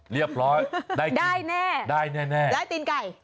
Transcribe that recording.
เรียบร้อยได้แน่ได้แน่ได้ตีนไก่